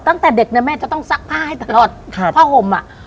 ตั้งแต่เด็กในแม่จะต้องซักผ้าให้ตลอดผ้าห่ม